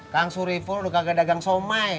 kakak suriful udah gak dagang so my